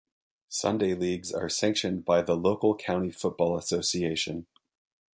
Sunday leagues are sanctioned by the local County Football Association.